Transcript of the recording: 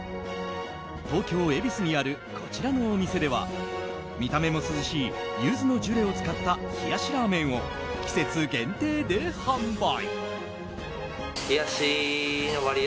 東京・恵比寿にあるこちらのお店では見た目も涼しいユズのジュレを使った冷やしラーメンを季節限定で販売。